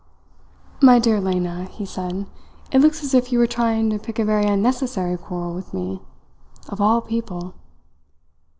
"My dear Lena," he said, "it looks as if you were trying to pick a very unnecessary quarrel with me of all people!"